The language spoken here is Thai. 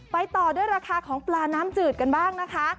ต่อด้วยราคาของปลาน้ำจืดกันบ้างนะคะ